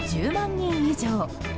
人以上。